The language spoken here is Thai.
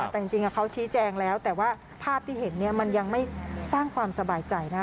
แต่จริงเขาชี้แจงแล้วแต่ว่าภาพที่เห็นเนี่ยมันยังไม่สร้างความสบายใจนะ